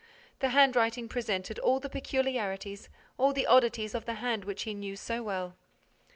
The handwriting presented all the peculiarities, all the oddities of the hand which he knew so well.